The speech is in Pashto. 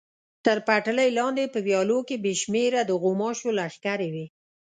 تر پټلۍ لاندې په ویالو کې بې شمېره د غوماشو لښکرې وې.